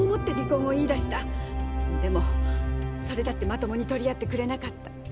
でもそれだってまともに取り合ってくれなかった。